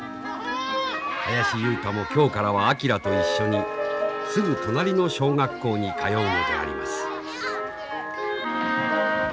林雄太も今日からは昭と一緒にすぐ隣の小学校に通うのであります。